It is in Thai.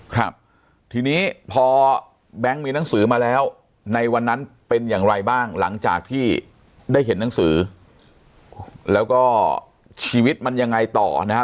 ครับทีนี้พอแบงค์มีหนังสือมาแล้วในวันนั้นเป็นอย่างไรบ้างหลังจากที่ได้เห็นหนังสือแล้วก็ชีวิตมันยังไงต่อนะฮะ